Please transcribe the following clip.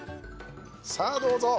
さあ、どうぞ！